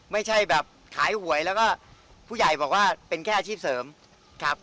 ไม่ใช่แบบขายหวยแล้วก็ผู้ใหญ่บอกว่าเป็นแค่อาชีพเสริมครับ